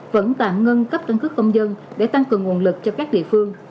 vẫn tạm ngưng cấp căn cứ công dân để tăng cường nguồn lực cho các địa phương